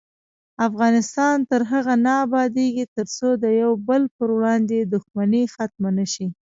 افغانستان تر هغو نه ابادیږي، ترڅو د یو بل پر وړاندې دښمني ختمه نشي.